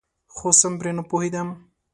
خو سم پرې نپوهیدم.